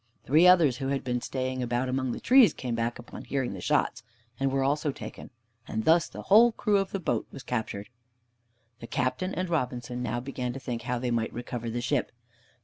Three others who had been straying about among the trees came back on hearing the shots, and were also taken, and thus the whole crew of the boat was captured. The Captain and Robinson now began to think how they might recover the ship.